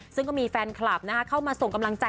ซึ่งก็มีแฟนคลับเข้ามาส่งกำลังใจ